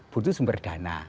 butuh sumber dana